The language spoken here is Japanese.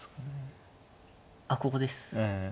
あっここですか。